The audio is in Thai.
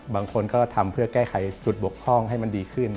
บางคนก็ทำเพื่อแก้ไขจุดบกพร่องให้มันดีขึ้น